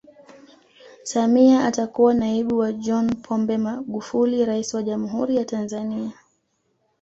Samia atakuwa naibu wa John Pombe Magufuli rais wa Jamhuri ya Tanzania